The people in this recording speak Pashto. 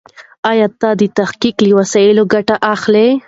ايا ته د تحقيق له وسایلو ګټه اخلې؟